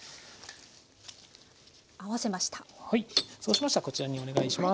そうしましたらこちらにお願いします。